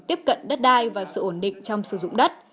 tiếp cận đất đai và sự ổn định trong sử dụng đất